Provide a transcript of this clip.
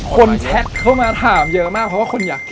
แชทเข้ามาถามเยอะมากเพราะว่าคนอยาก